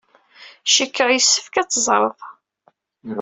Cikkeɣ yessefk ad t-teẓred.